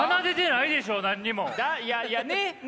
いやいやねっね。